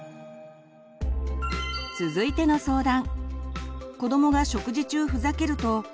続いての相談。